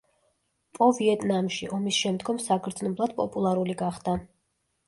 პო ვიეტნამში, ომის შემდგომ საგრძნობლად პოპულარული გახდა.